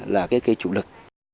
là cái cây chủ lực